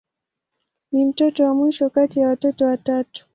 Ni mtoto wa mwisho kati ya watoto watatu.